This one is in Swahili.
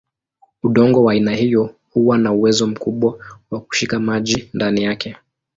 Udongo wa aina hiyo huwa na uwezo mkubwa wa kushika maji ndani yake.